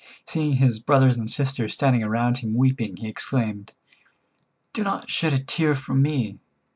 Seeing his brothers and sisters standing around him weeping, he exclaimed: "Do not shed a tear for me.